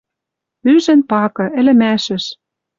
Ӱжӹн пакы, ӹлӹмӓшӹш